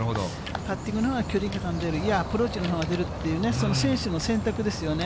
パッティングのほうが距離感出る、いや、アプローチのほうが出るっていうね、その選手の選択ですよね。